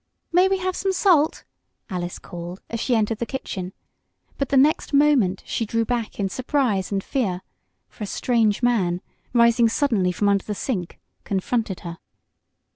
"May we have some salt?" Alice called, as she entered the kitchen, but the next moment she drew back in surprise and fear, for a strange man, rising suddenly from under the sink, confronted her.